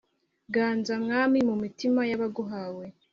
ganza mwami, mu mitima y'abaguhawe